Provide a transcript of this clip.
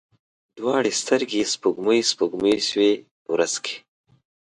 دواړې سترګي یې سپوږمۍ، سپوږمۍ شوې ورځ کې